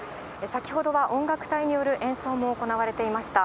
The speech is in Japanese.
先ほどは音楽隊による演奏も行われていました。